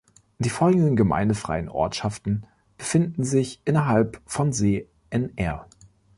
Die folgenden gemeindefreien Ortschaften befinden sich innerhalb von See Nr.